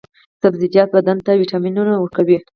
سبزیجات بدن ته ویټامینونه ورکوي.